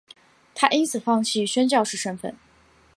她因此放弃宣教士身分。